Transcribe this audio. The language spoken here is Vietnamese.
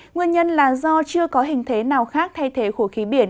nguyên nhân là do chưa có hình thế nào khác thay thế khổ khí biển